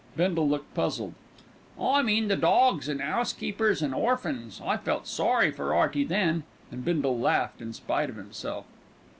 Bindle looked puzzled. "I mean the dogs an' 'ousekeepers an' orphans. I felt sorry for 'Earty then." And Bindle laughed in spite of himself.